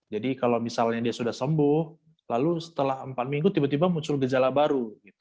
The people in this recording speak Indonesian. jadi kalau misalnya dia sudah sembuh lalu setelah empat minggu tiba tiba muncul gejala baru